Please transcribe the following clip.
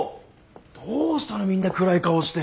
どうしたのみんな暗い顔して。